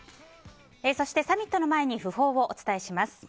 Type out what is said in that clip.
そして、サミットの前に訃報をお伝えします。